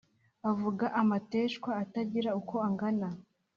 Avuga amateshwa atagira uko angana,